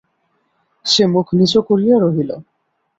সে মুখ নিচু করিয়া রহিল।